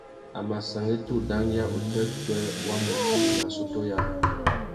A mà sangüetta udangüia upwêpwê wa mutu nà assôtô yâā.